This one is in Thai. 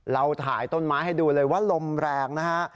เราถ่ายต้นไม้ให้ดูเลยว่าลมแรงนะฮะ